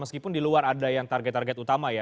meskipun di luar ada yang target target utama ya